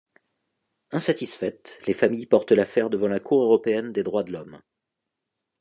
Insatisfaites, les familles portent l'affaire devant la Cour européenne des droits de l'homme.